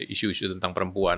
isu isu tentang perempuan